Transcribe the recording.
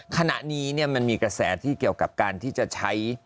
ขณะนี้มันมีกระแสที่เกี่ยวกับการที่จะใช้